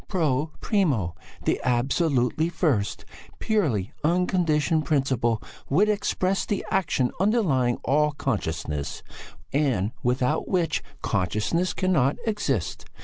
Pro primo: the absolutely first, purely unconditioned principle, would express the action underlying all consciousness and without which consciousness cannot exist.